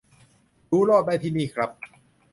รู้รอบได้ที่นี่ครับ